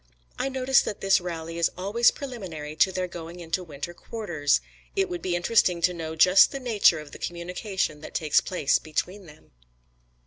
I notice that this rally is always preliminary to their going into winter quarters. It would be interesting to know just the nature of the communication that takes place between them.